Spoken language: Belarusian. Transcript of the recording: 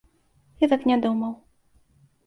Я так не думаў.